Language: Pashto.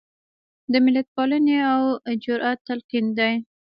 د ملتپالنې او جرات تلقین دی.